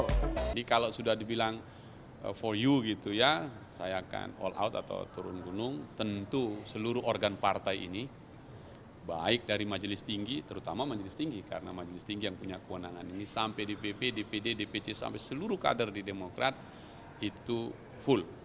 jadi kalau sudah dibilang for you gitu ya saya akan all out atau turun gunung tentu seluruh organ partai ini baik dari majelis tinggi terutama majelis tinggi karena majelis tinggi yang punya kewenangan ini sampai dpp dpd dpc sampai seluruh kader di demokrat itu full